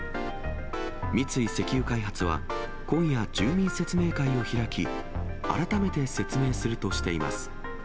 三井石油開発は、今夜、住民説明会を開き、改めて説明するとしています。